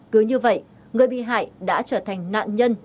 cứ như vậy người bị hại đã trở thành nạn nhân